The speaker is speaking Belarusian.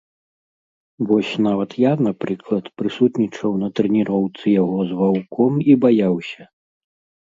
Вось нават я, напрыклад, прысутнічаў на трэніроўцы яго з ваўком і баяўся.